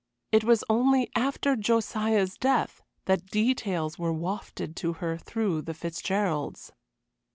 It was only after Josiah's death that details were wafted to her through the Fitzgeralds.